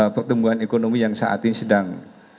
pertumbuhan ekonomi yang saat ini sedang